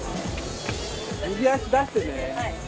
右足出してね。